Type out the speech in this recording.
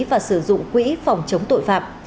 và sử dụng quỹ phòng chống tội phạm